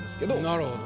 なるほど。